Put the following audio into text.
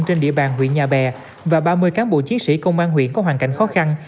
trên địa bàn huyện nhà bè và ba mươi cán bộ chiến sĩ công an huyện có hoàn cảnh khó khăn